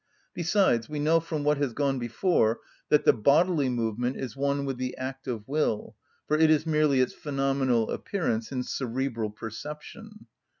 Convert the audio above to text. Besides, we know from what has gone before that the bodily movement is one with the act of will, for it is merely its phenomenal appearance in cerebral perception.